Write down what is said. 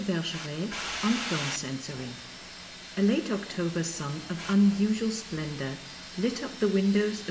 BERGERET ON FILM CENSORING A LATE October sun of unusual splendour lit up the windows of M.